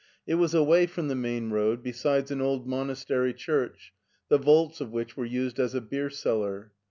It was away from the main road, beside an old monastery church, the vaults of which were used as a beer cellar.